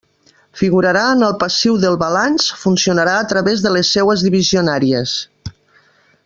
Figurarà en el passiu del balanç, funcionarà a través de les seues divisionàries.